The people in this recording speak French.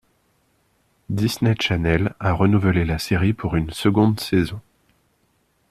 Disney Channel a renouvelé la série pour une seconde saison.